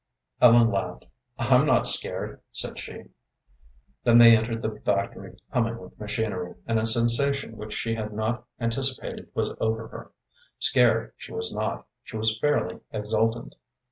Ellen laughed. "I'm not scared," said she. Then they entered the factory, humming with machinery, and a sensation which she had not anticipated was over her. Scared she was not; she was fairly exultant.